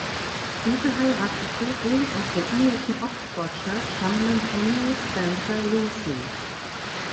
Diese heiratete den aus dem englischen Oxfordshire stammenden "Henry Spencer Lucy".